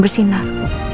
k retail tantran